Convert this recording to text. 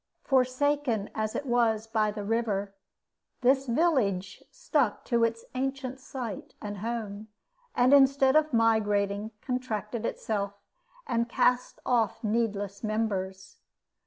Forsaken as it was by the river, this village stuck to its ancient site and home, and instead of migrating, contracted itself, and cast off needless members.